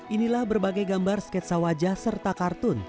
inilah berbagai gambar sketsa wajah serta kartun